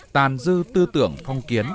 tàn dư tư tưởng phong kiến